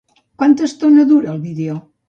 Quanta estona dura el vídeo?